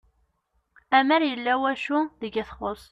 Amer yella wacu deg i txuss